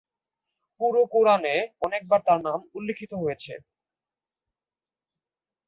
পুরো কুরআনে অনেকবার তার নাম উল্লেখিত হয়েছে।